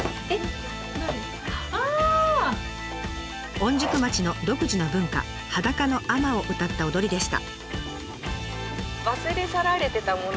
御宿町の独自の文化をうたった踊りでした。